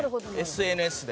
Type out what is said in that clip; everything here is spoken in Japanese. ＳＮＳで。